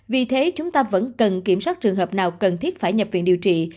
vì thế chúng ta vẫn cần kiểm soát trường hợp nào cần thiết phải nhập viện điều trị